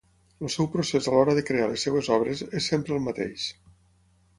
El seu procés a l'hora de crear les seves obres, és sempre el mateix.